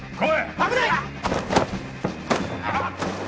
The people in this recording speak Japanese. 危ない！